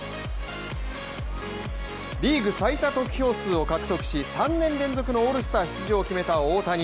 リーグ最多得票数を獲得し３年連続のオールスター出場を決めた大谷。